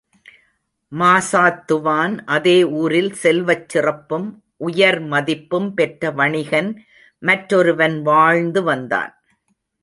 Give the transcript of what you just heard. மாசாத்துவான் அதே ஊரில் செல்வச் சிறப்பும், உயர்மதிப்பும் பெற்ற வணிகன் மற்றொருவன் வாழ்ந்து வந்தான்.